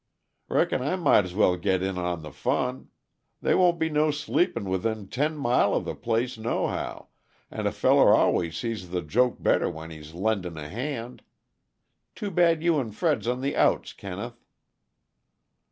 _ Reckon I might's well git in on the fun they won't be no sleepin' within ten mile of the place, nohow, and a feller always sees the joke better when he's lendin' a hand. Too bad you an' Fred's on the outs, Kenneth."